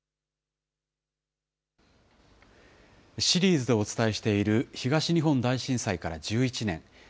シリーズでお伝えしている東日本大震災から１１年。